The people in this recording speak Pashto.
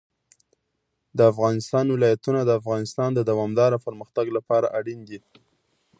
د افغانستان ولايتونه د افغانستان د دوامداره پرمختګ لپاره اړین دي.